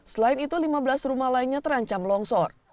selain itu lima belas rumah lainnya terancam longsor